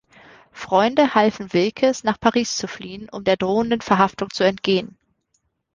Freunde halfen Wilkes, nach Paris zu fliehen, um der drohenden Verhaftung zu entgehen.